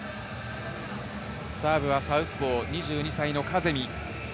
サーブはサウスポー２２歳のカゼミ。